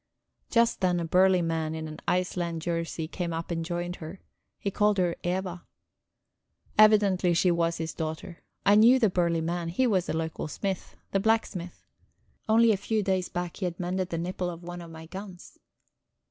Just then a burly man in an Iceland jersey came up and joined her; he called her Eva. Evidently she was his daughter. I knew the burly man; he was the local smith, the blacksmith. Only a few days back he had mended the nipple of one of my guns...